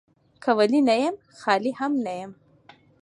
که ولي نه يم ، خالي هم نه يم.